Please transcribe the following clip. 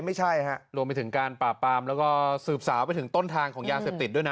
ไม่ใช่ฮะรวมไปถึงการปราบปรามแล้วก็สืบสาวไปถึงต้นทางของยาเสพติดด้วยนะ